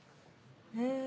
へぇ。